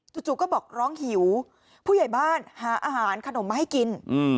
จู่ก็บอกร้องหิวผู้ใหญ่บ้านหาอาหารขนมมาให้กิน